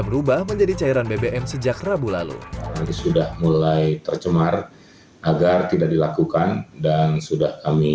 berubah menjadi cairan bbm sejak rabu lalu nanti sudah mulai tercemar agar tidak dilakukan dan sudah kami